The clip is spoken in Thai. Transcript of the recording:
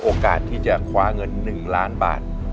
โอกาสที่จะคว้าเงิน๑ล้านบาท